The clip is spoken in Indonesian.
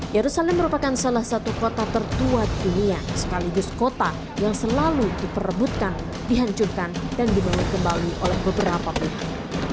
yerusalem merupakan salah satu kota tertua dunia sekaligus kota yang selalu diperebutkan dihancurkan dan dibangun kembali oleh beberapa pihak